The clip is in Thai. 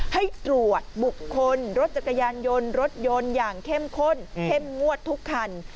ให้ตรวจบุคคลรถจักรยานยนต์รถยนต์อย่างเข้มข้นเข้มงวดทุกคัน